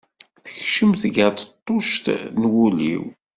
Tekcem tageṛṭeṭṭuct n wul-iw.